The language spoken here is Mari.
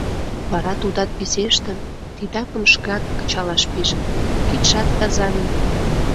Вара тудат писештын, титакым шкат кычалаш пижын, кидшат тазаҥын.